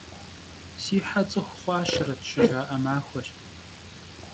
«Si he ts'ıxu xhuaşeret!» — şıjja'e maxueş.